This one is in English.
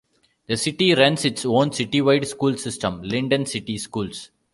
The city runs its own citywide school system, Linden City Schools.